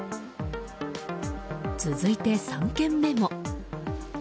続いて、３軒目も。